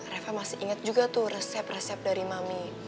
reva masih ingat juga tuh resep resep dari mami